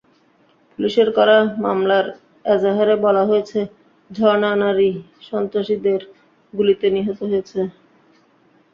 পুলিশের করা মামলার এজাহারে বলা হয়েছে, ঝর্ণা রানী সন্ত্রাসীদের গুলিতে নিহত হয়েছেন।